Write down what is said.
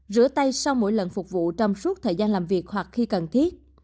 rửa tay sau mỗi lần phục vụ trong suốt thời gian làm việc hoặc khi cần thiết